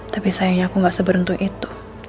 tapi sayangnya aku gak seberuntuh itu